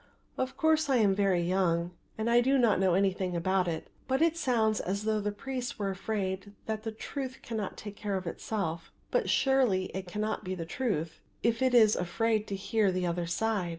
Of course I am very young and do not know anything about it; but it sounds as though the priests were afraid that the truth can not take care of itself; but surely it cannot be the truth if it is afraid to hear the other side.